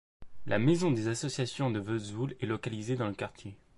La maison des associations de Vesoul est localisé dans le quartier.